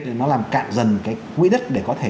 thì nó làm cạn dần cái quỹ đất để có thể